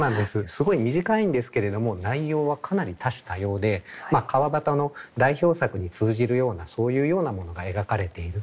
すごい短いんですけれども内容はかなり多種多様で川端の代表作に通じるようなそういうようなものが描かれている